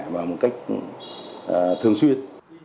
và một cách thường xuyên